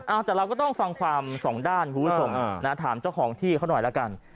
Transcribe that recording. เอาแต่เราก็ต้องฟังความสองด้านคุณผู้ชมถามเจ้าของที่เขาหน่อยละกัน